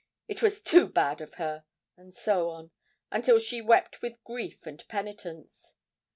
It was too bad of her, and so on, until she wept with grief and penitence.